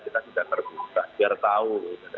kita juga harus beri tahu